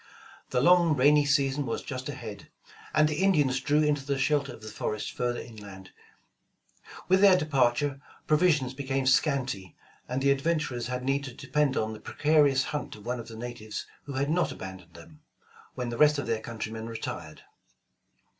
The long rainy season was just ahead, and the Indians drew into the shelter of the forest further inland. With their departure provisions became scanty, and the ad venturers had need to depend on the precarious hunt of one of the natives who had not abandoned them, when the rest of their countrjoneu retired.